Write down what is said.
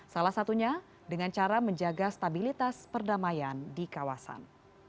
salah satunya dengan cara menjaga stabilitas perdamaian di kawasan